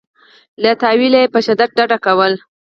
له تأویله یې په شدت ډډه کوله.